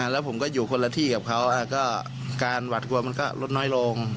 แล้วผมก็อยู่คนละที่กับเขาก็การหวัดกลัวมันก็ลดน้อยลง